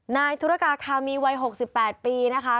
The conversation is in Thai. นายธุรกาคามีวัย๖๘ปีนะคะ